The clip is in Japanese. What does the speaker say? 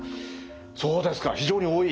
そうですか非常に多い？